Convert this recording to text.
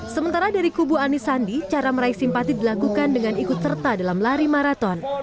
sementara dari kubu ani sandi cara meraih simpati dilakukan dengan ikut serta dalam lari maraton